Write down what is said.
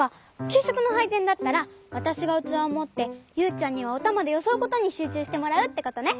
きゅうしょくのはいぜんだったらわたしがうつわをもってユウちゃんにはおたまでよそうことにしゅうちゅうしてもらうってことね。